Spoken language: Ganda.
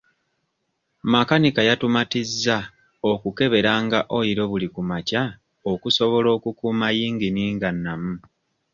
Makanika yatumatizza okukeberanga oyiro buli ku makya okusobola okukuuma yingini nga nnamu.